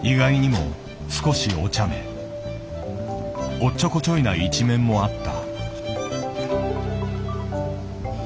おっちょこちょいな一面もあった。